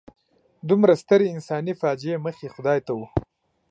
دومره سترې انساني فاجعې مخ یې خدای ته و.